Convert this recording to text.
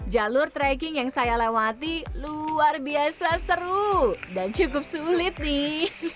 jalur trekking yang saya lewati luar biasa seru dan cukup sulit nih